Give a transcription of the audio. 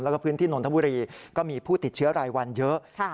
แล้วก็พื้นที่นนทบุรีก็มีผู้ติดเชื้อรายวันเยอะ